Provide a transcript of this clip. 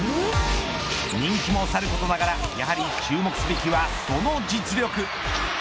人気もさることながらやはり注目すべきはこの実力。